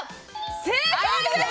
正解です！